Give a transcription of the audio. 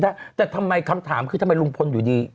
แต่ทำไมคำถามคือทำไมลุงพลอยู่ดี